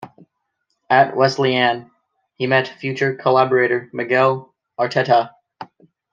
At Wesleyan, he met future collaborator Miguel Arteta.